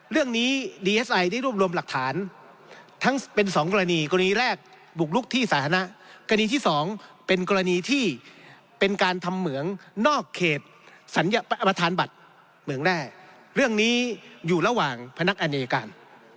เรื่องนี้ดีเอสไอได้รวบรวมหลักฐานทั้งเป็นสองกรณีกรณีแรกบุกลุกที่สาธารณะกรณีที่สองเป็นกรณีที่เป็นการทำเหมืองนอกเขตสัญประธานบัตรเหมืองแร่เรื่องนี้อยู่ระหว่างพนักอเนยการ